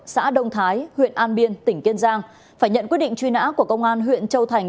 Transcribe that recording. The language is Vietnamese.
xã đông thái huyện an biên tỉnh kiên giang phải nhận quyết định truy nã của công an huyện châu thành